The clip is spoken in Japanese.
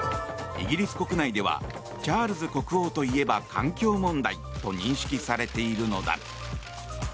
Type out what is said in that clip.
イギリス国内ではチャールズ国王といえば環境問題と認識されているのだ。